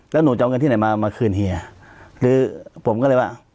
แล้วหนูจะเอาเงินที่ไหนมามาคืนเฮียหรือผมก็เลยว่า